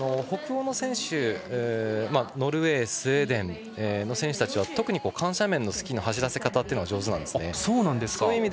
北欧の選手、ノルウェースウェーデンの選手たちは特に緩斜面のスキーの走らせ方が上手なんですよね。